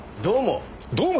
どうも。